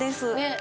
え